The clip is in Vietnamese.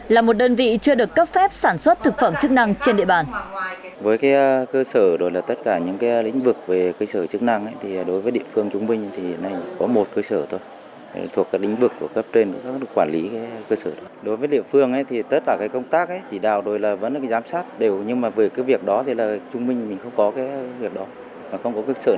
là một đơn vị chưa được cấp phép sản xuất thực phẩm chức năng trên địa bàn